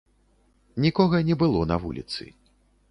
Нікога не было на вуліцы.